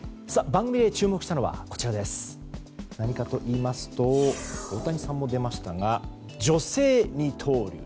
番組で注目したのは何かといいますと大谷さんも出ましたが女性二刀流。